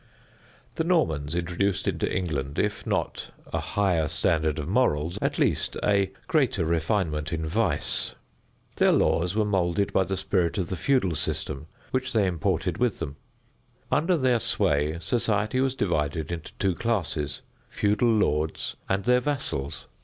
The Normans introduced into England, if not a higher standard of morals, at least a greater refinement in vice. Their laws were moulded by the spirit of the feudal system which they imported with them. Under their sway society was divided into two classes feudal lords and their vassals.